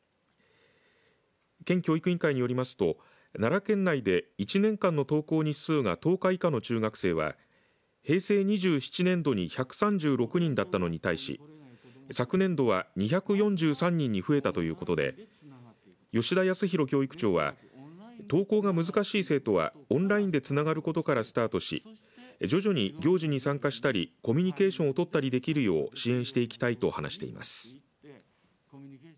県教育委員会によりますと奈良県内で１年間の登校日数が１０日以下の中学生は平成２７年度に１３６人だったのに対し昨年度は２４３人に増えたということで吉田育弘教育長は登校が難しい生徒はオンラインでつながることからスタートし徐々に行事に参加したりコミュニケーションを取ったりできるよう支援していきたいと話しています。